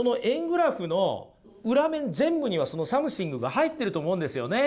グラフの裏面全部にはそのサムシングが入ってると思うんですよね。